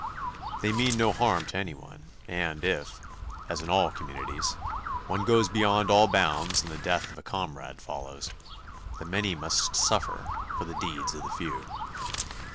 They mean no harm to any one, and if, as in all communities, one goes beyond all bounds and the death of a comrade follows, the many must suffer for the deeds of the few.